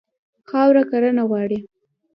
خاوره کرنه غواړي.